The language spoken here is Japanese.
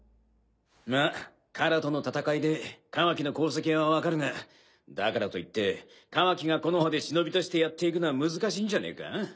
まあ殻との戦いでカワキの功績はわかるがだからといってカワキが木ノ葉で忍としてやっていくのは難しいんじゃねえか？